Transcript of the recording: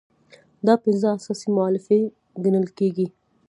دا پنځه اساسي مولفې ګڼل کیږي.